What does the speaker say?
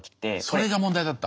それが問題だった。